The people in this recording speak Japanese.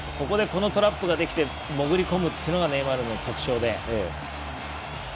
このトラップができて潜り込むというのがネイマールの特徴で。